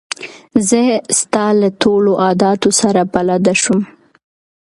زه ستا له ټولو عادتو سره بلده شوم.